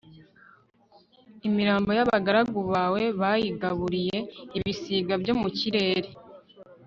imirambo y'abagaragu bawe, bayigaburiye ibisiga byo mu kirere